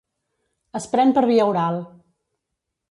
Es pren per via oral.